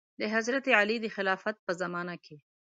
د حضرت علي د خلافت په زمانه کې.